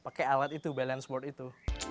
pakai alat itu balance sboard itu